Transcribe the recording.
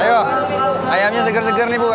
ayo ayamnya seger seger nih bu